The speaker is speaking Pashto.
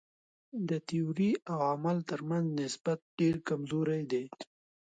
د تیورۍ او عمل تر منځ نسبت ډېر کمزوری دی.